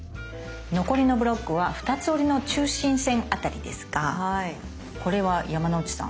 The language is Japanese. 残りのブロックは２つ折りの中心線あたりですがこれは山之内さん